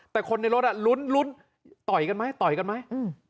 แต่คนในรถลุ้นต่อยกันไหมต่อยกันไหม